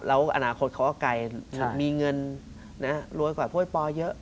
แล้วอนาคตเขาก็ไกลมีเงินรวยกว่าถ้วยปอเยอะ